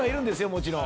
もちろん。